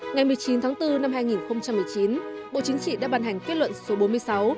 ngày một mươi chín tháng bốn năm hai nghìn một mươi chín bộ chính trị đã ban hành kết luận số bốn mươi sáu